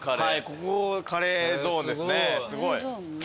ここカレーゾーンですねすごい。